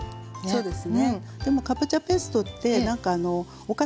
そうです。